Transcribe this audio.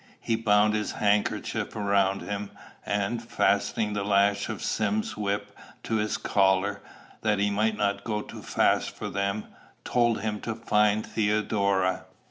He bound his handkerchief round him, and, fastening the lash of Sim's whip to his collar that he might not go too fast for them, told him to find Theodora.